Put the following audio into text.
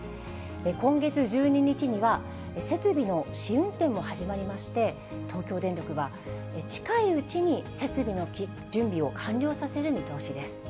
今月１２日には、設備の試運転も始まりまして、東京電力は、近いうちに設備の準備を完了させる見通しです。